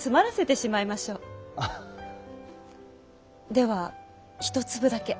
では一粒だけ。